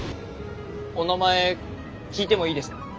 お名前聞いてもいいですか？